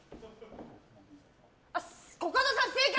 コカドさん、正解！